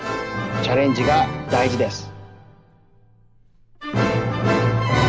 チャレンジがだいじです。